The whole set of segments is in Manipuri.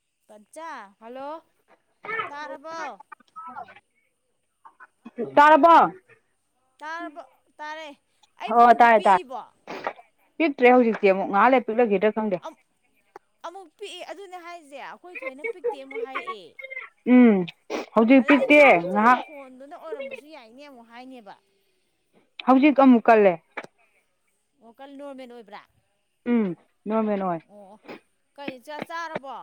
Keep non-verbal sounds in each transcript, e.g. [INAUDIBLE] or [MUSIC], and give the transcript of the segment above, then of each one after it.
[INAUDIBLE] ꯍꯜꯂꯣ ꯇꯥꯔꯕꯣ ꯇꯥꯔꯕꯣ ꯇꯥꯔꯕ ꯇꯥꯔꯦ ꯑꯩ ꯑꯣ ꯐꯣꯟꯁꯦ ꯇꯥꯔꯦ ꯇꯥꯔꯦ ꯄꯤꯛꯏꯕꯣ ꯄꯤꯛꯇ꯭ꯔꯦ ꯍꯧꯖꯤꯛꯇꯤꯃꯨꯛ ꯉꯥꯏꯍꯥꯛ ꯂꯩꯔ ꯄꯤꯛꯈꯤꯒ ꯑꯃꯨꯛ ꯄꯤꯛꯏ ꯑꯗꯨꯅꯦ ꯍꯥꯏꯔꯤꯁꯦ ꯑꯈꯣꯏ ꯊꯣꯏꯅ ꯄꯤꯛꯇꯦ ꯑꯃꯨꯛ ꯍꯥꯏꯔꯛꯑꯦ ꯎꯝ ꯍꯧꯖꯤꯛ ꯑꯗꯩꯗꯩ ꯄꯤꯛꯇꯦ ꯆꯦꯠꯄ ꯉꯥꯏꯍꯥꯛ ꯐꯣꯟꯗꯨꯅ ꯑꯣꯏꯔꯝꯕꯁꯨ ꯌꯥꯏꯅꯦ ꯑꯃꯨꯛ ꯍꯥꯏꯅꯦꯕ ꯍꯧꯖꯤꯛ ꯑꯃꯨꯛ ꯀꯜꯂꯦ ꯑꯃꯨꯛꯀ ꯅꯣꯔꯃꯦꯟ ꯑꯣꯏꯕ꯭ꯔꯥ ꯎꯝ ꯅꯣꯔꯃꯦꯜ ꯑꯣꯏ ꯑꯣ ꯀꯩ ꯆꯥꯔꯕꯣ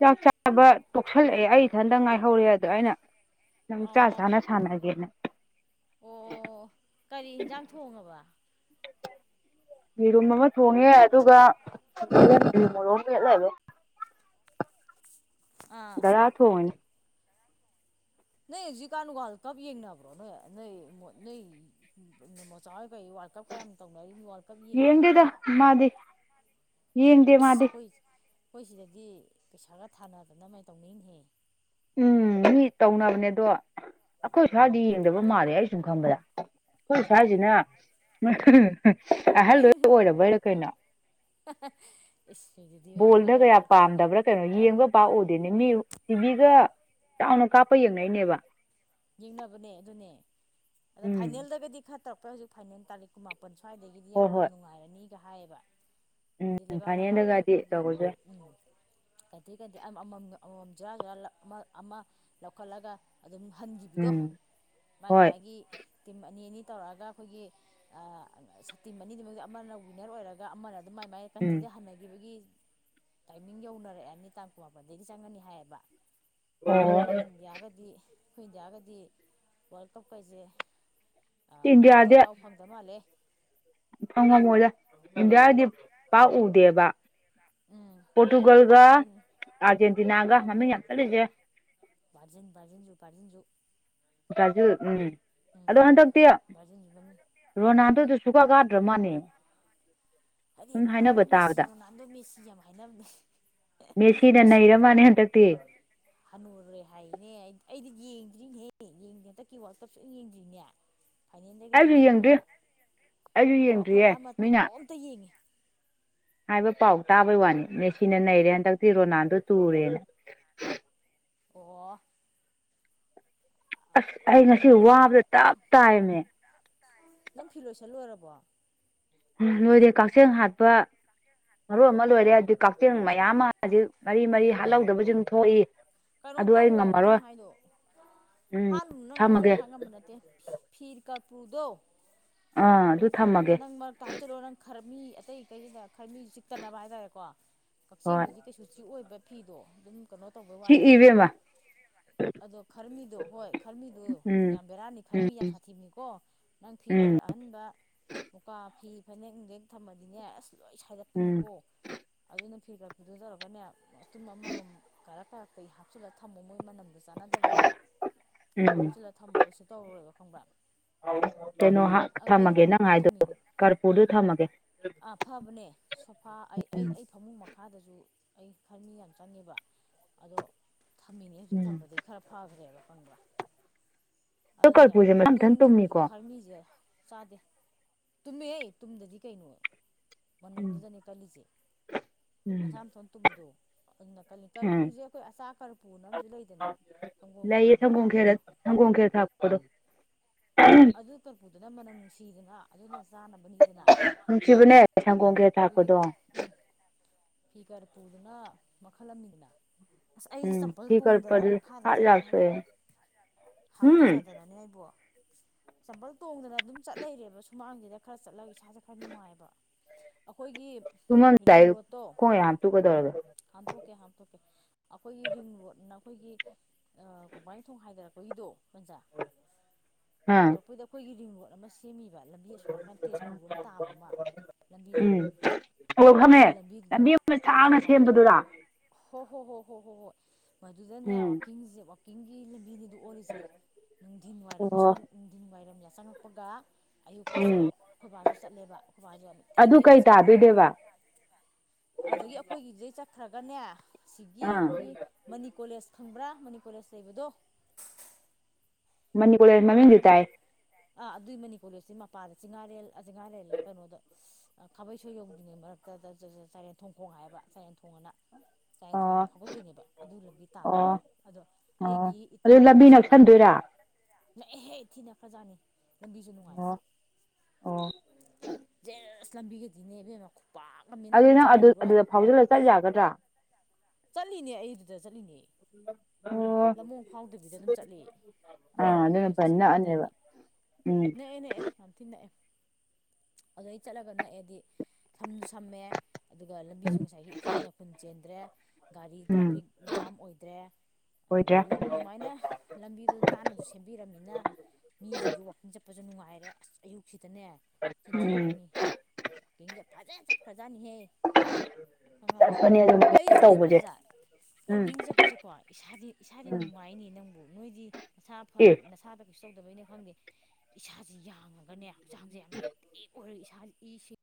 ꯆꯥꯛ ꯆꯥꯕ ꯇꯣꯛꯁꯤꯜꯂꯛꯑꯦ ꯑꯩ ꯏꯊꯟꯇ ꯉꯥꯏꯍꯧꯔꯦ ꯑꯗ ꯑꯩꯅ ꯅꯪ ꯆꯥ ꯆꯥꯅ ꯁꯥꯟꯅꯒꯦꯅ ꯑꯣ ꯑꯣ ꯀꯔꯤ ꯏꯟꯁꯥꯡ ꯊꯣꯡꯉꯕ ꯌꯦꯔꯨꯝ ꯑꯃ ꯊꯣꯡꯉꯦ ꯑꯗꯨꯒ [UNINTELLIGIBLE] ꯑꯥ ꯗꯌꯥ ꯊꯣꯡꯉꯤꯅꯤ ꯅꯣꯏ ꯍꯧꯖꯤꯀꯥꯟꯅ ꯋ꯭ꯔꯥꯜꯀꯞ ꯌꯦꯡꯅꯕ꯭ꯔꯣ ꯅꯣꯏ ꯅꯣꯏ ꯃꯣꯆꯥ ꯋ꯭ꯔꯥꯜ ꯀꯞ ꯀꯌꯥꯝ ꯇꯧꯅꯔꯤ ꯋ꯭ꯔꯥꯜ ꯀꯞ ꯌꯦꯡꯗ꯭ꯔꯣ ꯌꯦꯡꯗꯦꯗ ꯃꯥꯗꯤ ꯌꯦꯡꯗꯦ ꯃꯥꯗꯤ ꯑꯈꯣꯏ ꯁꯤꯗꯗꯤ ꯄꯩꯁꯥꯒ ꯊꯥꯅꯗꯅ ꯃꯥꯏ ꯇꯧꯅꯤꯡꯍ ꯎꯝ ꯃꯤ ꯇꯧꯅꯕꯅꯦ ꯑꯗꯣ ꯑꯩꯈꯣꯏ ꯏꯁ꯭ꯋꯥꯏꯗꯤ ꯌꯦꯡꯗꯕ ꯃꯥꯜꯂꯦ ꯑꯩ ꯁꯨꯝ ꯈꯪꯕꯗ ꯑꯈꯣꯏ ꯁ꯭ꯋꯥꯁꯤꯅ ꯑꯍꯜ ꯂꯣꯏ ꯑꯣꯏꯔꯕꯩꯔꯥ ꯀꯩꯅꯣ ꯍꯥꯍꯥ ꯕꯣꯜꯗ ꯀꯌꯥ ꯄꯥꯝꯗꯕ꯭ꯔꯥ ꯀꯩꯅꯣ ꯌꯦꯡꯕ ꯄꯥꯛꯎꯗꯦꯅꯦ ꯃꯤ ꯇꯤꯕꯤꯒ ꯆꯥꯎꯅ ꯀꯥꯞꯄ ꯌꯦꯡꯅꯩꯅꯦꯕ ꯌꯦꯡꯅꯕꯅꯦ ꯑꯗꯨꯅꯦ ꯑꯗꯨꯅꯦ ꯎꯝ ꯐꯥꯏꯅꯦꯜꯗꯒꯗꯤ ꯈꯔ ꯇꯧ ꯍꯧꯖꯤꯛ ꯐꯥꯏꯅꯦꯜ ꯇꯥꯔꯤꯛ ꯀꯨꯟꯃꯥꯄꯟ ꯁ꯭ꯋꯥꯏꯗꯒꯤꯗꯤ ꯍꯣꯏ ꯌꯥꯝ ꯍꯣꯏ ꯅꯨꯡꯉꯥꯏꯔꯅꯤꯒ ꯍꯥꯏꯌꯦꯕ ꯎꯝ ꯂꯩꯕꯥꯛ ꯂꯩꯕꯥꯛꯀꯤ ꯐꯥꯏꯅꯦꯜꯗꯒꯗꯤ ꯑꯈꯣꯏꯒꯤ ꯇꯧꯕꯁꯨ ꯌꯥꯏ ꯎꯝ ꯑꯗꯒꯤ ꯀꯩꯗꯤ ꯑꯃꯃꯝ ꯑꯃꯃꯝ ꯖꯣꯔꯥ ꯖꯔꯥ ꯑꯃ ꯑꯃ ꯂꯧꯈꯠꯂꯒ ꯑꯗꯨꯝ ꯍꯟꯈꯤꯕꯗꯣ ꯎꯝ ꯃꯥꯥꯏ ꯍꯣꯏ ꯃꯥꯒꯤ ꯇꯤꯝ ꯑꯅꯤ ꯑꯅꯤ ꯇꯧꯔꯛꯑꯒ ꯑꯩꯈꯣꯏꯒꯤ ꯇꯤꯝ ꯑꯅꯤꯗꯨꯃꯛꯇ ꯑꯃꯅ ꯋꯤꯟꯅꯔ ꯑꯣꯏꯔꯒ ꯑꯃꯅ ꯃꯥꯏ ꯃꯥꯥꯏ ꯎꯝ ꯀꯟꯇ꯭ꯔꯤꯗ ꯍꯥꯟꯟꯅꯈꯤꯕꯒꯤ ꯇꯥꯏꯃꯤꯡ ꯌꯧꯅꯔꯛꯑꯅꯤ ꯇꯥꯡ ꯀꯨꯟꯃꯥꯄꯟꯗꯒꯤ ꯆꯪꯉꯅꯤ ꯍꯥꯏꯌꯦꯕ ꯗꯤ ꯑꯣ ꯑꯩꯈꯣꯏ ꯏꯟꯗꯤꯌꯥꯒꯗꯤ ꯋꯥꯔꯜ ꯀꯞ ꯀꯩꯁꯦ ꯑ ꯑꯝꯇ ꯏꯟꯗꯤꯌꯥꯗꯤ ꯌꯥꯎ ꯐꯪꯗ ꯃꯥꯜꯂꯦ ꯍꯪꯉꯝꯃꯣꯏꯗ ꯏꯟꯗꯤꯌꯥꯗꯤ ꯄꯥꯛꯎꯗꯦꯕ ꯎꯝ ꯄꯣꯔꯇꯨꯒꯜꯒ ꯑꯗꯨ ꯑꯥꯔꯖꯦꯟꯇꯤꯅꯥꯒ ꯃꯃꯤꯡ ꯌꯥꯝ ꯆꯠꯂꯤꯁꯦ ꯕ꯭ꯔꯥꯖꯤꯟ ꯕ꯭ꯔꯥꯖꯤꯟꯁꯨ ꯕ꯭ꯔꯥꯖꯤꯟꯁꯨ ꯕ꯭ꯔꯥꯖꯤꯟ ꯎꯝ ꯑꯗꯣ ꯍꯟꯗꯛꯇꯤ ꯚꯥꯔꯖꯤꯟꯁꯨ ꯃꯃꯤꯡ ꯔꯣꯅꯥꯜꯗꯣꯗꯨ ꯁꯨꯀ ꯀꯗ꯭ꯔ ꯃꯥꯅꯦ ꯍꯥꯏꯗꯤ ꯔꯣꯅꯥꯜꯗꯣ ꯃꯦꯁꯤ ꯔꯣꯅꯥꯜꯗꯣ ꯃꯦꯁꯤ ꯌꯥꯝ ꯍꯥꯏꯅꯕꯅꯦ ꯃꯦꯁꯤꯅ ꯅꯩꯔ ꯃꯦꯁꯤꯒꯗꯣ ꯃꯥꯅꯦ ꯍꯟꯗꯛꯇꯤ ꯍꯅꯨꯔꯦ ꯍꯥꯢꯅꯦ ꯑꯩ ꯑꯩꯗꯤ ꯌꯦꯡꯗ꯭ꯔꯤꯅꯦꯍꯦ ꯌꯦꯡꯗ꯭ꯔꯤ ꯍꯟꯗꯛꯀꯤ ꯋꯥꯟꯀꯞ ꯁꯨꯌꯦꯡ ꯌꯦꯡꯗ꯭ꯔꯤꯅꯦ ꯐꯥꯏꯅꯦꯜꯗꯩ ꯒꯗꯤ ꯑꯩꯁꯨ ꯌꯦꯡꯗ꯭ꯔꯤ ꯌꯦꯡꯒꯗ꯭ꯔꯥ ꯑꯩꯁꯨ ꯑꯣ ꯑꯩꯈꯣꯏ ꯌꯦꯡꯗ꯭ꯔꯤꯌꯦ ꯕꯥ ꯃꯤꯅ ꯃꯇꯣꯝꯇ ꯌꯦꯡꯉꯤ ꯍꯥꯏꯕ ꯄꯥꯎ ꯇꯥꯕꯩ ꯋꯥꯅꯤ ꯃꯦꯁꯤꯅ ꯅꯩꯔꯦ ꯍꯟꯗꯛꯇꯤ ꯔꯣꯅꯥꯜꯗꯣ ꯇꯨꯔꯦꯅ ꯑꯣ ꯑꯁ ꯑꯩ ꯉꯁꯤ ꯑꯩꯈꯣꯏꯒꯤꯅꯦ ꯋꯥꯕꯗ ꯑꯩꯈꯣꯏ ꯇꯞ ꯇꯥꯏꯌꯦꯃꯦ ꯋꯥ ꯅꯣꯏꯗꯤ ꯀꯛꯆꯦꯜ ꯍꯥꯠꯄ ꯃꯔꯣꯟ ꯑꯃ ꯂꯣꯏꯔꯦ ꯑꯗꯨ ꯀꯛꯆꯦꯡ ꯃꯌꯥꯝ ꯑꯃꯁꯤ ꯃꯔꯤ ꯃꯔꯤ ꯍꯥꯠꯍꯧꯗꯕꯁꯤꯡ ꯊꯣꯛꯏ ꯀꯩꯅꯣ ꯑꯗꯨ ꯑꯩ ꯇꯧꯋꯣ ꯉꯝꯃꯔꯣꯏ ꯑꯩꯅ ꯍꯥꯏꯗꯣ ꯎꯝ ꯍꯥꯠꯂꯨꯅꯣ ꯅꯪ ꯊꯝꯃꯒꯦ ꯀꯛꯆꯦꯡ ꯍꯥꯠ ꯉꯝꯕ ꯅꯠꯇꯦ ꯐꯤ ꯀ ꯎꯄꯨꯗꯣ ꯑꯥ ꯑꯗꯨ ꯑꯗꯨꯅ ꯊꯝꯃꯒꯦ ꯅꯪ ꯃꯔꯛꯇ ꯍꯥꯞꯆꯟꯂꯣ ꯅꯪ ꯈꯔꯃꯤ ꯑꯇꯩ ꯑꯇꯩꯗꯨꯗ ꯈꯔ ꯃꯤꯁꯨ ꯆꯤꯛꯇꯅꯕ ꯍꯥꯏꯇꯥꯔꯦꯀꯣ ꯍꯣꯏ ꯀꯛꯆꯦꯡꯗꯨꯗꯤ ꯀꯩꯁꯨ ꯆꯤꯛꯑꯣꯏꯕ ꯐꯤꯗꯣ ꯑꯗꯨꯝ ꯀꯩꯅꯣ ꯇꯧꯕꯩ ꯁꯤ ꯋꯥꯅꯤ ꯏꯕꯦꯝꯃ [INAUDIBLE] ꯑꯗꯣ ꯈꯔꯃꯤꯗꯣ ꯍꯣꯏ ꯈꯔꯃꯤꯗꯣ ꯎꯝ ꯌꯥꯝ ꯕꯦꯔꯥꯅꯤ ꯎꯝ ꯈꯔꯃꯤ ꯌꯥꯝ ꯁꯥꯊꯤꯕꯅꯤꯀꯣ ꯅꯪ ꯐꯤ ꯎꯝ ꯑꯍꯟ ꯑꯍꯟ [UNINTELLIGIBLE] ꯃꯨꯀꯥ ꯐꯤ ꯐꯅꯦꯛ ꯅꯨꯡꯗꯦꯛ ꯊꯝꯃꯗꯤꯅꯦ ꯑꯁ ꯂꯣꯏ ꯎꯝ ꯁꯥꯏꯗꯠꯄꯅꯤꯀꯣ ꯑꯗꯨꯅ ꯐꯤ ꯀꯔꯄꯨꯔꯗꯣ ꯇꯧꯔꯒꯅꯦ ꯃꯇꯨꯝ ꯑꯃꯃꯝ ꯀꯥꯔꯛ ꯀꯥꯔꯛꯛꯇ ꯍꯥꯞꯆꯤꯜꯂꯒ ꯊꯝꯃꯣ ꯃꯣꯏ ꯃꯅꯝꯗꯣ ꯑꯗꯨ ꯆꯥꯟꯅꯗꯕꯅꯦꯕ ꯑꯗꯨꯝ ꯎꯝ ꯍꯥꯞꯆꯤꯜꯂꯒ ꯊꯝꯃꯣ ꯀꯩꯁꯨ ꯇꯧꯔꯔꯣꯏꯕ ꯈꯪꯕ꯭ꯔꯥ ꯑꯧ ꯀꯩꯅꯣ ꯍꯥ ꯑꯩꯁꯨ ꯊꯝꯃꯒꯦ ꯅꯪ ꯍꯥꯏꯗꯣ ꯀꯔꯄꯨꯔꯗꯣ ꯊꯝꯃꯒꯦ ꯑ ꯐꯕꯅꯦ ꯁꯣꯐꯥ ꯑꯩ ꯑꯩ ꯑꯩ ꯐꯃꯨꯡ ꯃꯈꯥꯗꯁꯨ ꯑꯩ ꯈꯔ ꯃꯤ ꯌꯥꯝ ꯆꯪꯉꯦꯕ ꯑꯗꯣ ꯊꯝꯃꯤꯅꯦ ꯍꯧꯖꯤꯛ ꯎꯝ ꯊꯝꯕꯗꯒꯤ ꯈꯔ ꯐꯈ꯭ꯔꯦꯕ ꯐꯪꯕ꯭ꯔ ꯑꯗꯣ ꯑꯩꯅꯦ ꯀꯔꯄꯨꯔꯁꯦ ꯃꯊꯟ ꯃꯊꯟ ꯍꯧꯗꯣꯡꯁꯤꯡꯗꯨꯁꯨ ꯇꯨꯝꯃꯤꯀꯣ ꯈꯥꯔꯃꯤꯁꯦ ꯆꯥꯗꯦ ꯇꯨꯝꯃꯦꯍꯦ ꯇꯨꯝꯗꯗꯤ ꯀꯩꯅꯣ ꯎꯝ ꯃꯅꯝꯗꯨꯗꯅꯦ ꯀꯜꯂꯤꯁꯦ ꯎꯝ ꯃꯁꯥꯝꯇꯣꯝ ꯇꯨꯝꯕꯗꯣ ꯑꯗꯨꯅ ꯀ ꯎꯝ ꯀꯔꯤꯄꯨꯁꯦ ꯑꯩꯈꯣꯏ ꯑꯆꯥ ꯀꯔꯄꯨꯅ ꯑꯃꯁꯝꯨ ꯂꯩꯗꯅ ꯁꯪꯒꯣꯝ ꯈꯦꯔꯗꯒ ꯍꯥꯞꯄꯗꯣ ꯀꯩ ꯑꯆꯥꯄꯣꯠꯅꯣ [INAUDIBLE] ꯑꯗꯨ ꯀꯔꯄꯨꯗꯨꯅ ꯃꯅꯝ ꯅꯨꯡꯁꯤꯗꯅ ꯑꯗꯨꯅ ꯆꯥꯅꯕꯅꯤꯗꯅ ꯅꯨꯡꯁꯤꯕꯅꯦ ꯁꯪꯒꯣꯝ ꯈꯦꯔ ꯊꯥꯛꯄꯗꯣ ꯐꯤ ꯀꯔꯄꯨꯔꯗꯨꯅ ꯃꯈꯜ ꯑꯃꯅꯤꯗꯅ ꯑꯁ ꯑꯩꯁꯦ ꯎꯝ ꯆꯝꯄꯜ ꯐꯤ ꯀꯔꯄꯟ ꯇꯣꯡꯗꯅ ꯃꯈꯥꯗ ꯍꯥꯠ ꯆꯠꯂꯦ ꯌꯥꯗ꯭ꯔꯦ ꯍꯣꯔꯦꯟ ꯍꯥꯀꯠꯆꯗꯅꯅꯦ ꯑꯩꯕꯣ ꯆꯝꯄꯜ ꯇꯣꯡꯗꯅ ꯑꯗꯨꯝ ꯆꯠ ꯂꯩꯔꯦꯕ ꯁꯨꯃꯥꯡꯁꯤꯗ ꯈꯔ ꯆꯠꯂꯒ ꯏꯁꯥꯁꯦ ꯈꯔ ꯅꯨꯡꯉꯥꯏꯕ ꯑꯩꯈꯣꯏꯒꯤ ꯇꯨꯝ ꯃꯝ ꯇꯥꯏ ꯔꯤꯡ ꯔꯣꯗꯠꯇꯣ ꯈꯣꯡ ꯌꯥ ꯇꯨ ꯀꯗ ꯍꯥꯝꯇꯣꯛꯀꯦ ꯍꯥꯝꯇꯣꯛꯀꯦ ꯑꯩꯈꯣꯏꯒꯤ ꯔꯤꯡ ꯔꯣꯠꯅ ꯑꯩꯈꯣꯏꯒꯤ ꯀꯣꯡꯕꯥꯥꯡꯊꯣꯡ ꯍꯥꯏꯗꯔꯛꯀꯣ ꯍꯤꯗꯣ ꯀꯟꯖꯥ ꯊꯣꯡ ꯑ ꯍꯥꯡꯗꯣꯔꯛꯄꯩꯗ ꯑꯩꯈꯣꯏꯒꯤ ꯔꯤꯡ ꯔꯣꯗ ꯑꯃ ꯁꯦꯝꯃꯤꯕ ꯂꯝꯕꯤ ꯑꯁꯣꯝ ꯅꯥꯀꯟꯗ ꯇꯦꯖꯄꯨꯔꯕꯨꯛ ꯇꯥꯕ ꯑꯃ ꯂꯝꯕꯤꯗ ꯎꯝ ꯑꯣ ꯈꯪꯉꯦ ꯑꯗꯨꯏ ꯂꯝꯕꯤꯗꯨꯗ ꯂꯝꯕꯤ ꯑꯃ ꯁꯥꯡꯅ ꯑꯥ ꯁꯦꯝꯕꯗꯨꯔꯥ ꯍꯣ ꯍꯣ ꯍꯣ ꯍꯣ ꯍꯣꯏ ꯍꯣꯏ ꯃꯗꯨꯗꯅꯦ ꯎꯝ ꯋꯥꯛꯀꯤꯡꯖꯦ ꯀꯥꯛꯀꯤꯡꯒꯤ ꯂꯝꯕꯤꯅꯤꯗꯣ ꯑꯣꯜꯂꯤꯁꯦ ꯅꯨꯡꯊꯤꯟ ꯋꯥꯏꯔꯝ ꯑꯣ ꯁꯨꯡ ꯅꯨꯡꯊꯤꯟ ꯋꯥꯏꯔꯝ ꯌꯥꯆꯪꯉꯛꯄꯒ ꯑꯌꯨꯛꯀꯁꯦ ꯎꯝ ꯑꯩꯈꯣꯏꯕꯥꯁꯨ ꯆꯠꯂꯦꯕ ꯑꯩꯈꯣꯏꯕꯥꯁꯨ ꯌꯥꯝ ꯅꯨꯡꯇꯤꯒꯤ ꯑꯗꯨ ꯑꯌꯨꯛꯇ ꯀꯩ ꯆꯠꯄꯅꯦꯕ ꯇꯥꯗꯣꯏꯅꯦꯕ ꯑꯗꯨꯗꯒꯤ ꯑꯩꯈꯣꯏꯒꯤꯗꯩ ꯆꯠꯈ꯭ꯔꯒꯅꯦ ꯑꯁꯤꯒꯤ ꯑꯥ ꯑꯩꯈꯣꯏꯒꯤ ꯃꯅꯤ ꯀꯣꯂꯦꯖ ꯈꯪꯕ꯭ꯔꯥ ꯃꯅꯤ ꯀꯣꯂꯦꯖ ꯂꯩꯕꯗꯣ ꯃꯅꯤ ꯀꯣꯂꯦꯖ ꯈꯪ ꯃꯃꯤꯡꯗꯤ ꯇꯥꯏ ꯈꯪꯉꯣꯏ ꯑꯥ ꯑꯗꯨꯏ ꯃꯅꯤ ꯀꯣꯂꯦꯖꯇꯨꯏ ꯃꯄꯥꯥꯗ ꯆꯤꯡꯉꯥꯔꯦꯜ ꯑ ꯆꯤꯡꯍꯥꯔꯦꯜꯌꯦ ꯀꯩꯅꯣꯗ ꯈꯥꯕꯩꯁꯣꯏ ꯌꯧꯗ꯭ꯔꯤꯉꯩ ꯃꯔꯛꯇ ꯆꯔꯦꯟꯊꯣꯡꯈꯣꯡ ꯍꯥꯏꯌꯦꯕ ꯆꯔꯦꯟ ꯊꯣꯡ ꯑꯅ ꯆꯥꯏꯔꯦꯟ ꯊꯣꯡ ꯂꯣꯝ ꯑꯣ ꯐꯥꯎꯒꯠꯇꯣꯏꯅꯦꯕ ꯑꯗꯨ ꯂꯝꯕꯤ ꯇꯥꯗꯣꯏꯕ ꯑꯣ ꯑꯗꯣ ꯑꯣ ꯑꯩꯒꯤ ꯑꯗꯨ ꯏꯇꯥꯒꯤ ꯂꯝꯕꯤ ꯁ꯭ꯀꯨꯜ ꯅꯛꯁꯟꯗꯣꯏꯔꯥ ꯀꯣꯂꯦꯖꯇ ꯅꯛꯑꯦꯍꯦ ꯊꯤ ꯅꯛꯈ꯭ꯔꯖꯥꯠꯅꯤ ꯂꯝꯕꯤꯁꯨ ꯅꯨꯡꯉꯥꯏꯕ ꯑꯣ ꯑꯣ ꯖꯦꯁ ꯂꯝꯕꯤꯒꯗꯤꯅꯦ ꯏꯕꯦꯝꯃ ꯈꯨ ꯑꯗꯨꯗꯤ ꯅꯪ ꯑꯗꯨ ꯑꯗꯨꯗ ꯐꯥꯎꯖꯜꯂ ꯆꯠ ꯌꯥꯒꯗ꯭ꯔ ꯆꯠꯂꯤꯅꯦ ꯑꯩꯗꯨꯗ ꯆꯠꯂꯤꯅꯦ ꯑꯣ ꯂꯃꯣꯡ ꯐꯥꯎꯗꯕꯤꯗ ꯑꯗꯨꯝ ꯆꯠꯂꯤ ꯃꯣꯏ ꯑꯥ ꯑꯗꯨꯅ ꯀꯣꯂꯦꯖꯇ ꯐꯅ ꯆꯠꯀꯦ ꯍꯥꯏ ꯅꯛꯑꯅꯦꯕ ꯇꯥꯔꯗꯤ ꯎꯝ ꯅꯦꯛꯑꯦ ꯅꯦꯛꯑꯦ ꯌꯥꯝ ꯊꯤ ꯅꯛꯑꯦ ꯑꯗꯩ ꯆꯠꯂꯒ ꯅꯛꯑꯦꯗꯤ ꯁꯝꯁꯨ ꯁꯝꯃꯦ ꯑꯗꯨꯒ ꯂꯝꯕꯤꯁꯨ ꯉꯁꯥꯏꯒꯤ ꯏꯐꯨꯟ ꯅꯐꯨꯟ ꯆꯦꯟꯗ꯭ꯔꯦ ꯒꯥꯔꯤ ꯎꯝ ꯇ꯭ꯔꯥꯐꯤꯛ ꯖꯥꯝ ꯑꯣꯏꯗ꯭ꯔꯦ ꯑꯣꯏꯗ꯭ꯔꯥ ꯑꯗꯩ ꯑꯗꯨꯃꯥꯏꯅ ꯂꯝꯕꯤꯗꯣ ꯅꯥꯟꯅꯁꯨ ꯁꯦꯝꯕꯤꯔꯝꯅꯤꯅ ꯃꯤꯁꯤꯡꯁꯨ ꯋꯥꯀꯤꯡ ꯆꯠꯄꯁꯨ ꯅꯨꯡꯉꯥꯏ ꯔꯦ ꯑꯁ ꯑꯌꯨꯛꯁꯤꯗꯅꯦ ꯆꯤꯟꯊꯤ ꯎꯝ ꯍꯥꯏꯅꯤ ꯋꯥꯀꯤꯡꯁꯦ ꯐꯖꯟ ꯆꯠꯈ꯭ꯔ [UNINTELLIGIBLE] ꯇꯧꯕ ꯆꯨꯖꯥꯛ ꯋꯥꯛꯀꯤꯡ ꯆꯠꯄꯁꯦꯀꯣ ꯏꯁꯥꯗꯤ ꯏꯁꯥꯗꯤ ꯎꯝ ꯅꯨꯡꯉꯥꯏꯅꯦ ꯅꯪꯕꯨ ꯅꯣꯏꯗꯤ ꯅꯁꯥ ꯐ ꯑꯦ ꯅꯁꯥꯗꯣ ꯀꯩ ꯇꯧꯗꯕꯩꯅꯦ ꯈꯪꯗꯦ ꯏꯁꯥꯥꯁꯦ ꯌꯥꯡꯉꯒꯅꯦ ꯍꯛꯆꯥꯡꯁꯦ ꯌꯥꯝ ꯑꯦꯛꯇꯤꯛ ꯑꯣꯏꯔꯒ ꯏꯁꯥꯖꯦ ꯏꯁꯤꯡ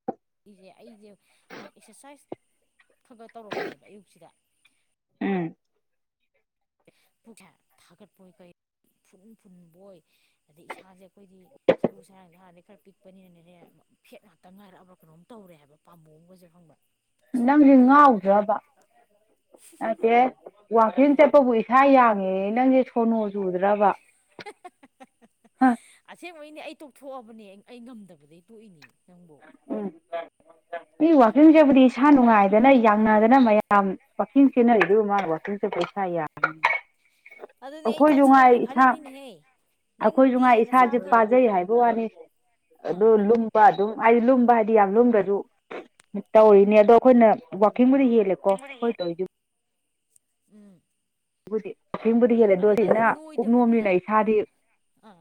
ꯁꯦ ꯑꯩꯁꯦ ꯍꯥꯟ ꯑꯦꯛꯁꯔꯁꯥꯏꯁ ꯈꯒ ꯇꯧꯔꯝꯃꯦ ꯑꯌꯨꯛꯁꯤꯗ ꯎꯝ ꯄꯨꯛꯁꯦ ꯊꯥꯒꯠꯄꯣꯏ ꯀꯩ ꯏꯐꯨꯟ ꯐꯨꯟꯕꯣꯏ ꯑꯗꯩ ꯏꯁꯥꯁꯦ ꯑꯩꯈꯣꯏꯗꯤ ꯁꯔꯨ ꯁꯔꯥꯡꯁꯦ ꯍꯥꯟꯅꯗꯩ ꯈꯔ ꯄꯤꯛꯄꯅꯤꯅꯦꯅꯦ ꯐꯦꯠ ꯉꯥꯛꯇ ꯉꯥꯏꯔꯛꯑꯕ ꯀꯩꯅꯣꯝ ꯇꯧꯔꯦ ꯍꯥꯏꯕ ꯄꯥꯝꯕꯣꯝ ꯃꯣꯏꯖꯦ ꯈꯪꯕ꯭ꯔ ꯅꯪꯁꯦ ꯉꯥꯎꯗ꯭ꯔꯕ ꯅꯠꯇꯦ ꯋꯥꯀꯤꯡ ꯆꯠ ꯏꯁꯥ ꯌꯥꯡꯉꯦꯌꯦ ꯅꯪꯁꯦ ꯁꯣꯟꯅꯣ ꯆꯨꯗ꯭ꯔꯕ ꯍꯪ ꯅꯣꯏꯅꯦ ꯑꯩ ꯇꯣꯛꯊꯣꯛꯑꯕꯅꯦ ꯑꯩ ꯉꯝꯗꯕꯗꯒꯤ ꯇꯣꯛꯏꯅꯤ ꯅꯪꯕꯣ ꯑꯩꯅ ꯋꯥꯥꯛꯀꯤꯡ ꯆꯦꯟꯕꯗꯤ ꯏꯁꯥ ꯅꯨꯡꯉꯥꯏꯗꯅ ꯌꯥ ꯅꯨꯉꯥꯏꯗꯅ ꯃꯌꯥꯝ ꯋꯥꯛꯀꯤꯡ ꯆꯦꯟꯅꯔꯤꯁꯤꯕꯨ ꯃꯥ ꯋꯥꯋꯀꯤꯡ ꯆꯠꯄ ꯏꯁꯥ ꯌꯥꯡꯉꯤ ꯑꯗꯨꯗꯤ ꯑꯩ ꯆꯠꯁꯤꯔꯅ ꯈꯜꯂꯤꯅꯤ ꯅꯦꯍꯦ ꯑꯩꯈꯣꯏꯁꯨ ꯉꯥꯏ ꯏꯁꯥꯁꯦ ꯄꯥꯖꯩ ꯍꯥꯏꯕ ꯋꯥꯅꯤ ꯑꯗꯨ ꯑꯥ ꯂꯨꯝꯕ ꯑꯗꯨꯝ ꯍꯥꯏꯗꯤ ꯂꯨꯝꯕ ꯍꯥꯏꯗꯤ ꯌꯥꯝ ꯂꯨꯝꯗ꯭ꯔꯁꯨ ꯎꯝ ꯇꯧꯔꯤꯅꯦ ꯑꯗꯣ ꯑꯩꯈꯣꯏꯅ ꯋꯥꯛ ꯀꯤꯡꯕꯨꯗꯤ ꯍꯦꯜꯂꯦꯀꯣ ꯑꯩꯈꯣꯏ ꯇꯩꯖꯨ ꯎꯝ ꯕꯨꯗꯤ ꯀꯤꯡꯕꯨꯗꯤ ꯍꯦꯜꯂꯦꯗꯣ ꯑꯗꯣ ꯅꯪꯗꯤ ꯁꯤꯅ ꯅꯣꯏꯗꯕꯅꯤꯅ ꯀꯨꯞꯅꯣꯝꯅꯤꯅ ꯏꯁꯥꯗꯤ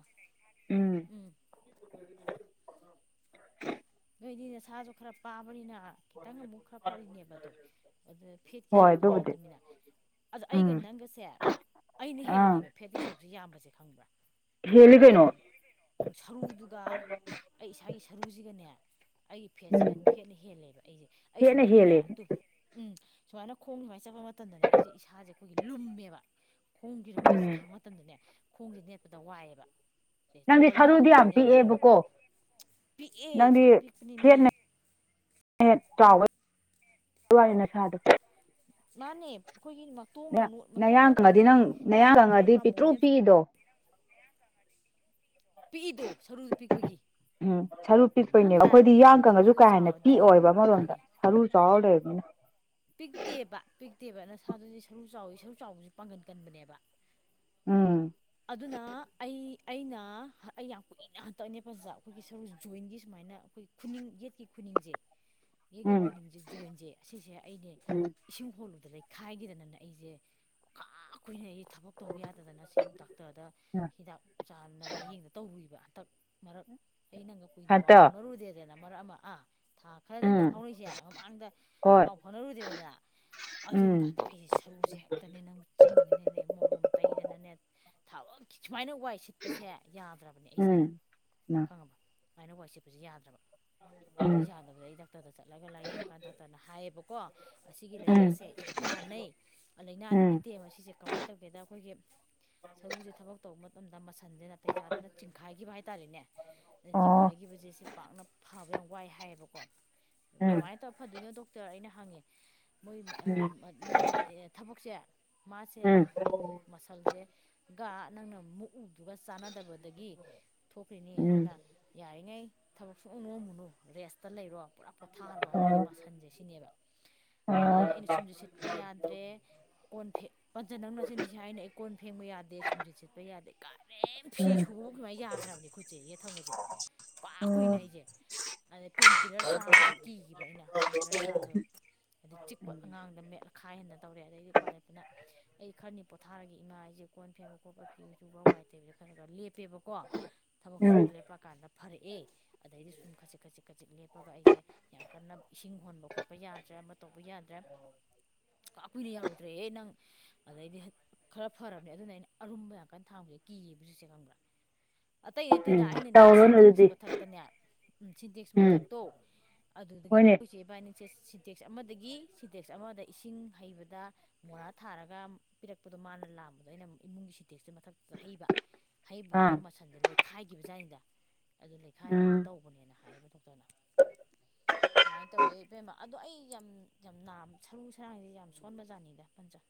[UNINTELLIGIBLE] ꯎꯝ [INAUDIBLE] ꯅꯣꯏꯗꯤ ꯅꯁꯥꯁꯨ ꯈꯔ ꯄꯥꯕꯅꯤꯅ ꯑ ꯈꯤꯇꯪ ꯑꯃꯨꯛ ꯈꯔ ꯐꯔꯤꯅꯦꯕ ꯑꯗꯣ ꯑꯗꯨ ꯐꯦꯠꯀꯤ ꯍꯣꯏ ꯁꯔꯨꯛꯇꯨ ꯑꯗꯨꯕꯨꯗꯤ ꯌꯥꯎꯗꯝꯃꯤꯅ ꯑꯁ ꯎꯝ ꯑꯩꯒ ꯅꯪꯒꯁꯦ ꯑꯩꯅ ꯑꯥ ꯍꯦꯜꯂꯤꯅꯦꯕ ꯐꯦꯠꯀꯤ ꯁꯔꯨꯛꯁꯦ ꯌꯥꯝꯕꯁꯦ ꯈꯪꯕ꯭ꯔꯥ ꯍꯦꯜꯂꯤ ꯀꯩꯅꯣ ꯑꯩꯒꯤ ꯑꯪ ꯁꯥꯔꯨꯗꯨꯒ ꯑꯩ ꯏꯁꯥꯒꯤ ꯁꯔꯨꯁꯤꯒꯅꯦ ꯑꯩꯒꯤ ꯎꯝ ꯐꯦꯠꯁꯤꯒ ꯐꯦꯠꯅ ꯍꯦꯜꯂꯦꯕ ꯑꯩꯁꯦ ꯑꯩ ꯐꯦꯠꯅ ꯁꯨꯃꯥꯏꯅꯅꯦ ꯍꯦꯜꯂꯤ ꯇꯨ ꯎꯝ ꯁꯨꯃꯥꯏꯅ ꯈꯣꯡ ꯁꯨꯃꯥꯏꯅ ꯆꯠꯄ ꯃꯇꯝꯗꯅꯦ ꯑꯩꯁꯦ ꯏꯁꯥꯁꯦ ꯑꯩꯈꯣꯏꯒꯤ ꯂꯨꯝꯃꯦꯕ ꯈꯣꯡꯒꯤ ꯔ ꯎꯝ ꯋꯦꯠꯁꯦ ꯊꯥꯡꯕ ꯃꯇꯝꯗꯅꯦ ꯈꯣꯡꯁꯦ ꯅꯦꯠꯄꯗ ꯋꯥꯏꯌꯦꯕ ꯅꯪꯗꯤ ꯁꯔꯨꯗꯤ ꯌꯥꯝ ꯄꯤꯛꯑꯦꯕꯀꯣ ꯄꯤꯛꯑꯦ ꯅꯪꯗꯤ ꯁꯔꯨ ꯄꯤꯛꯄꯅꯤ ꯃꯤ [UNINTELLIGIBLE] ꯃꯥꯟꯅꯦ ꯑꯈꯣꯏꯒꯤ ꯃꯇꯣꯡꯅ ꯅꯣꯠ ꯃꯇꯣꯡꯅ ꯅꯌꯥꯡ ꯀꯪꯉꯗꯤ ꯑꯆꯧꯕꯒꯤ ꯅꯪ ꯅꯌꯥꯡ ꯍꯥꯏꯗ꯭ꯔ ꯑꯩ ꯀꯪꯉꯗꯤ ꯄꯥꯝꯕꯣꯝꯁ ꯄꯤꯛꯇ꯭ꯔꯨ ꯌꯥꯝ ꯄꯤꯛꯏꯗꯣ ꯄꯤꯛꯏꯗꯣ ꯁꯔꯨꯗꯨ ꯄꯤꯛꯄꯒꯤ ꯎꯝ ꯁꯔꯨ ꯄꯤꯛꯄꯩꯅꯦꯕ ꯅꯠꯇ꯭ꯔꯥ ꯑꯈꯣꯏꯗꯤ ꯌꯥꯌꯥꯡ ꯀꯪꯉꯁꯨ ꯁꯔꯨꯗꯣ ꯀꯥ ꯍꯦꯟꯅ ꯆꯥꯎꯔꯗꯤ ꯄꯤꯛꯑꯣꯕ ꯑꯃꯔꯣꯝꯗ ꯃꯥꯅꯦ ꯁꯔꯨ ꯆꯥꯎꯔꯂꯩ ꯎꯝ ꯄꯤꯛꯇꯦꯕ ꯄꯤꯛꯇꯦꯕ ꯅꯁꯥꯗꯨꯗꯤ ꯁꯔꯨ ꯆꯥꯎꯏ ꯁꯔꯨ ꯆꯥꯎꯕꯁꯨ ꯄꯥꯡꯒꯟ ꯀꯟꯕꯅꯦꯕ ꯎꯝ ꯑꯗꯨꯅ ꯑꯩ ꯑꯩꯅ ꯑꯩ ꯌꯥꯝ ꯀꯨꯏꯅ ꯍꯟꯇꯛꯅꯦ ꯄꯖꯥ ꯑꯩꯈꯣꯏꯒꯤ ꯁꯔꯨ ꯖꯣꯏꯟꯒꯤ ꯁꯨꯃꯥꯏꯅ ꯃꯥꯏꯅ ꯑꯈꯣꯏ ꯈꯨꯅꯤꯡ ꯌꯦꯠꯀꯤ ꯈꯨꯅꯤꯡꯁꯦ ꯌꯦꯛꯀꯤ ꯎꯝ ꯈꯨꯅꯤꯡꯁꯦ ꯖꯣꯏꯟꯁꯦ ꯑꯁꯤꯁꯦ ꯑꯩꯩꯅ ꯏꯁꯤꯡ ꯍꯣꯜꯂꯨꯗ ꯂꯩ ꯈꯥꯏꯈꯤꯗꯅꯅ ꯑꯩꯁꯦ ꯀꯥ ꯀꯨꯏꯅꯩ ꯑꯩꯁꯦ ꯊꯕꯛ ꯇꯧꯕ ꯌꯥꯗꯗꯅ ꯁꯦꯝꯗ ꯗꯥꯛꯇꯗ ꯎꯝ ꯍꯤꯗꯥꯛ ꯆꯥꯅ ꯂꯥꯏꯌꯦꯡꯗ ꯇꯧꯕꯕ ꯍꯟꯇꯛ ꯃꯔꯛ ꯑꯩ ꯅꯪꯒ ꯀꯨꯏꯅ ꯄꯥꯎ ꯍꯟꯇꯣ ꯐꯥꯎꯅꯔꯨꯗꯦꯗꯅ ꯃꯔꯛ ꯑꯃ ꯑꯥ ꯊꯥ ꯈꯔꯗꯅꯤ ꯎꯝ ꯐꯥꯎꯅꯔꯤꯁꯦ ꯃꯃꯥꯡꯗ ꯍꯣꯏ ꯄꯥꯎ ꯐꯥꯎꯅꯔꯨꯗꯦꯗꯗꯅ ꯑꯗꯨꯝ ꯎꯝ ꯀꯥꯟꯗ ꯑꯩꯁꯦ ꯁꯔꯨꯁꯦ ꯍꯦꯛꯇꯅꯦ ꯅꯪ ꯆꯤꯡꯗꯅꯅꯦ ꯃꯣꯂꯣꯝ ꯇꯩꯗꯅꯅꯦ ꯊꯕꯛ ꯁꯨꯃꯥꯏꯅ ꯋꯥꯏ ꯁꯤꯠꯄꯁꯦ ꯌꯥꯗ꯭ꯔꯕꯅꯦ ꯑꯩꯁꯦ ꯎꯝ ꯈꯪꯉꯕ ꯁꯨꯃꯥꯏꯅ ꯋꯥꯏ ꯁꯤꯠꯄꯁꯨ ꯌꯥꯗ꯭ꯔꯕ ꯑꯗꯨ ꯎꯝ ꯌꯥꯗꯕꯗ ꯑꯩ ꯗꯥꯛꯇꯔꯗ ꯆꯠꯂꯒ ꯂꯥꯏꯌꯦꯡꯀꯥꯟꯗ ꯗꯥꯛꯇꯔꯅ ꯍꯥꯏꯌꯦꯕ ꯑꯁꯤꯒꯤ ꯎꯝ ꯂꯥꯏꯅꯥꯁꯦ ꯌꯥꯝ ꯅꯥꯟꯅꯩ ꯂꯥꯏꯅꯥꯗꯤ ꯎꯝ ꯅꯠꯇꯦ ꯃꯁꯤꯁꯦ ꯀꯃꯥꯏꯅ ꯇꯧꯒꯦꯗ ꯑꯩꯈꯣꯏꯒꯤ ꯁꯔꯨꯁꯦ ꯊꯕꯛ ꯇꯧꯕ ꯃꯇꯝꯗ ꯃꯁꯥ ꯁꯟꯗ ꯅꯥꯇꯩ ꯆꯥꯗꯅ ꯆꯤꯡꯈꯥꯏꯈꯤꯕ ꯍꯥꯏꯇꯥꯥꯔꯦꯅꯦ ꯑꯗ ꯑꯣ ꯆꯤꯡꯈꯥꯏꯈꯤꯕꯁꯦ ꯁꯤ ꯄꯥꯛꯅ ꯐꯥꯕ ꯌꯥꯝ ꯋꯥꯏ ꯍꯥꯏꯌꯦꯕꯀꯣ ꯎꯝ ꯀꯃꯥꯏꯅ ꯇꯧꯔ ꯐꯗꯣꯏꯅꯣ ꯗꯣꯛꯇꯔ ꯑꯩꯅ ꯍꯪꯉꯦ ꯃꯣꯏ ꯎꯝ ꯅꯣꯏ ꯊꯕꯛꯁꯦ ꯃꯥꯁꯦ ꯎꯝ ꯃꯁꯜꯁꯦ ꯅꯪꯅ ꯃꯨꯛꯎꯗꯨꯒ ꯆꯥꯟꯅꯗꯕꯗꯒꯤ ꯊꯣꯛꯈ꯭ꯔꯤꯅꯤ ꯎꯝ ꯑꯗꯨꯅ ꯌꯥꯔꯤꯉꯩ ꯊꯕꯛ ꯁꯨ ꯅꯣꯝ ꯅꯣꯝꯃꯨꯅꯨ ꯔꯦꯁꯇ ꯂꯩꯔꯣ ꯄꯨꯔꯥ ꯄꯣꯊꯥꯍꯜꯂꯣ ꯑ ꯅꯪꯒꯤ ꯃꯁꯟꯁꯦ ꯁꯤꯅꯦꯕ ꯑꯗꯗꯩꯗꯤ ꯎꯝ ꯑꯩꯅ ꯁꯨꯝꯖꯤꯠ ꯁꯤꯠꯄ ꯌꯥꯗ꯭ꯔꯦ ꯀꯣꯟ ꯄꯟꯖ ꯅꯪꯅ ꯁꯤꯟꯊꯤ ꯍꯥꯏꯅ ꯑꯩ ꯀꯣꯟ ꯐꯦꯡꯕ ꯌꯥꯗꯦ ꯁꯨꯝꯖꯤꯠ ꯁꯤꯠꯄ ꯌꯥꯗꯦ ꯀꯔꯤꯝ ꯐꯤ ꯁꯨꯕꯣ ꯀꯨꯃꯥꯏꯅ ꯌꯥꯗ꯭ꯔꯕꯅꯤ ꯈꯨꯠꯁꯦ ꯌꯦꯠ ꯊꯪꯕꯁꯦ ꯀꯥ ꯀꯨꯏꯅ ꯎꯝ ꯑꯩꯁꯦ ꯑꯗꯩ ꯄꯦꯟꯀꯤꯂꯔ ꯆꯥꯕꯁꯦ ꯀꯤꯕ ꯑꯩꯅ ꯄꯦꯟꯀꯤꯂꯔ ꯆꯥꯗꯣꯏꯦ ꯑꯗꯩ ꯆꯤꯛꯄ ꯑꯉꯥꯡꯗ ꯃꯦꯠꯈꯥꯏ ꯍꯟꯗꯤ ꯇꯧꯔꯦ ꯑꯗꯩꯗꯤ ꯎꯄꯥꯏ ꯂꯩꯇꯅ ꯑꯩ ꯈꯔꯅꯤ ꯄꯣꯊꯥ [UNINTELLIGIBLE] ꯀꯣꯟ ꯐꯦꯡꯕ ꯈꯣꯠꯄ ꯐꯤꯌꯨ ꯆꯨꯕ ꯋꯥꯏ ꯇꯩꯕꯗ ꯈꯔ ꯈꯔ ꯂꯦꯞꯄꯦꯕꯀꯣ ꯊꯕꯛ ꯁꯨꯕ ꯎꯝ ꯂꯦꯞꯄꯑꯀꯥꯟꯗ ꯐꯔꯛꯑꯦ ꯑꯗꯩꯗꯤ ꯁꯨꯝ ꯈꯖꯤꯛ ꯈꯖꯤꯛ ꯈꯖꯤꯛ ꯂꯦꯞꯄꯦ ꯑꯗꯨꯒ ꯑꯩꯁꯦ ꯌꯥꯝ ꯀꯟꯅ ꯏꯁꯤꯡ ꯍꯣꯟꯕ ꯈꯣꯠꯄ ꯌꯥꯗ꯭ꯔꯦ ꯑꯃ ꯇꯧꯕ ꯌꯥꯗ꯭ꯔꯦ ꯑꯣꯈꯥꯛꯀꯨꯏꯅ ꯌꯥꯔꯨꯗ꯭ꯔꯦꯍꯦ ꯅꯪ ꯑꯗꯩꯗꯤ ꯈꯔ ꯐꯔꯕꯅꯦ ꯑꯗꯨꯅ ꯑꯩꯅ ꯑꯔꯨꯝꯕ ꯌꯥꯝ ꯀꯟꯅ ꯊꯥꯡꯕꯁꯦ ꯀꯤꯕ ꯆꯁꯦ ꯈꯪꯕ꯭ꯔꯥ ꯑꯇꯩ ꯅꯠꯇꯦꯗ ꯑꯩꯅꯅꯦ ꯇꯧꯔꯣꯅꯦ ꯁꯤꯟꯇꯦꯛꯁ ꯑꯗꯨꯗꯤ ꯃꯊꯛꯇꯅꯦ ꯎꯝ ꯁꯤꯟꯇꯦꯛꯁ ꯎꯝ ꯃꯊꯛꯇꯣ ꯑꯗꯨꯗꯒꯤ ꯍꯣꯏꯅꯦ ꯈꯣꯏ ꯆꯦꯕꯅꯤ ꯁ ꯁꯤꯟꯇꯦꯛꯁ ꯑꯃꯗꯒꯤ ꯁꯤꯟꯇꯦꯛꯁ ꯑꯃꯗ ꯏꯁꯤꯡ ꯍꯩꯕꯗ ꯃꯣꯔꯥ ꯊꯥꯔꯒ ꯄꯤꯔꯛꯄꯗ ꯃꯥꯅ ꯂꯥꯛꯕ ꯑꯩꯅ ꯃꯨꯛ ꯏꯃꯨꯡꯒꯤ ꯁꯤꯇꯦꯛꯁꯁ ꯃꯊꯛꯇꯨꯗ ꯍꯩꯕ ꯍꯩꯕꯗꯨꯗ ꯑꯥ ꯃꯁꯟꯁꯦ ꯂꯩꯈꯥꯏꯈꯤꯕ ꯖꯥꯏꯅꯤꯗ ꯑꯗꯨ ꯂꯩꯈꯥꯏꯈꯤꯕ ꯎꯝ ꯇꯧꯕꯅꯦꯅ ꯍꯥꯏꯌꯦꯕ ꯗꯣꯛꯇꯔꯅ ꯑꯗꯨꯃꯥꯏꯅ ꯇꯧꯋꯤ ꯏꯕꯦꯝꯃ ꯑꯗꯣ ꯑꯩ ꯌꯥꯝ ꯌꯥꯝ ꯅꯥꯝ ꯁꯔꯨ ꯁꯔꯥꯡꯁꯤ ꯌꯥꯝ ꯁꯣꯟꯕ ꯖꯥꯠꯅꯤꯗ ꯄꯟꯖ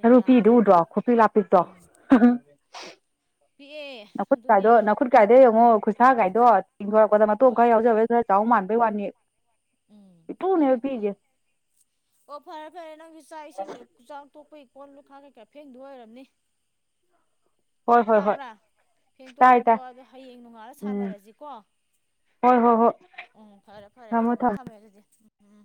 ꯁꯔꯨ ꯄꯤꯛꯏꯗꯣ ꯎꯗ꯭ꯔꯣ ꯈꯨꯄꯤꯛ ꯂꯥꯄꯤꯛꯇꯣ ꯎꯝ ꯄꯤꯛꯑꯦ ꯅꯥꯈꯨꯠ ꯑꯗꯨꯅꯦ ꯀꯥꯏꯗꯣ ꯅꯥꯐꯨꯠ ꯀꯥꯏꯗꯣ ꯌꯦꯡꯉꯣ ꯎꯝ ꯈꯨꯠꯁꯥ ꯀꯥꯏꯗꯣ ꯇꯦꯡꯊꯣꯔꯛꯄ ꯔꯛꯄꯗ ꯃꯇꯣꯡ ꯍꯣꯏ ꯈꯔ ꯌꯥꯎꯖꯕꯦ ꯈꯔ ꯆꯥꯎ ꯃꯥꯟꯕꯩ ꯋꯥꯅꯤꯌꯦ ꯎꯝ ꯄꯤꯑꯦ ꯄꯤꯛꯑꯦ ꯑꯣ ꯐꯔꯦ ꯐꯔꯦ ꯅꯪꯁꯨ ꯆꯥꯛ ꯏꯁꯤꯡꯅꯆꯥꯛ ꯑꯩꯈꯣꯏꯒꯤ ꯀꯣꯜ ꯂꯨꯈꯥꯛ ꯀꯩ ꯀ ꯐꯦꯡꯗꯧ ꯑꯣꯏꯔꯝꯅꯤ ꯍꯣꯏ ꯍꯣꯏ ꯍꯣꯏ ꯇꯥꯕ꯭ꯔꯥ ꯐꯦꯡꯇꯣꯛꯑꯣ ꯇꯥꯏ ꯇꯥꯏ ꯐꯦꯡꯇꯣꯛꯑꯣ ꯑꯗ ꯍꯌꯦꯡ ꯅꯣꯡꯉꯥꯜꯂ ꯎꯝ ꯁꯥꯟꯅꯔꯁꯤꯀꯣ ꯍꯣꯏ ꯍꯣꯏ ꯍꯣꯏ ꯎꯝ ꯐꯔꯦ ꯐꯔꯦ ꯊꯝꯃꯣ ꯊꯝꯃꯣ ꯑꯗꯨꯗꯤ ꯎꯝ ꯎꯝ